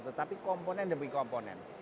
tetapi komponen demi komponen